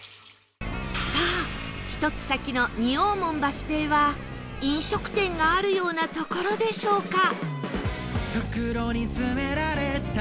さあ１つ先の仁王門バス停は飲食店があるような所でしょうか？